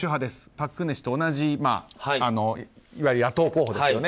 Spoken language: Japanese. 朴槿惠氏と同じいわゆる野党候補ですよね。